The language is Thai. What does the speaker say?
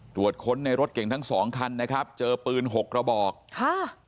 ตรวจค้นในรถเก่งทั้งสองคันนะครับเจอปืนหกกระบอกค่ะ